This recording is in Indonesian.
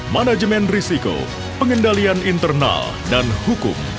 manajemen risiko pengendalian internal dan hukum